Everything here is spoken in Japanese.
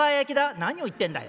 「何を言ってんだよ。